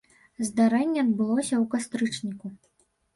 Здарэнне адбылося ў кастрычніку.